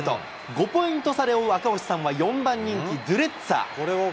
５ポイント差で追う赤星さんは４番人気、ドゥレッツア。